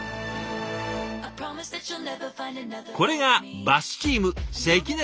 これがバスチーム